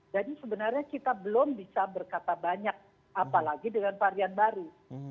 jadi sebenarnya kita belum bisa berkata banyak apalagi dengan varian baru